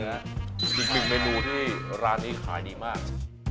อันนี้เป็นอีกมินูที่ร้านนี้คลายดีมาก